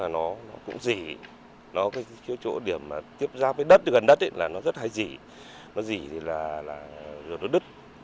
nó cũng dỉ chỗ điểm tiếp giáp với gần đất rất hay dỉ dỉ thì nó đứt